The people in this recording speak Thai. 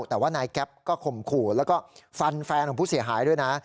แต่ว่านายแก๊ปก็ข่มขู่แล้วก็ฟันแฟนของผู้เสียหายด้วยนะ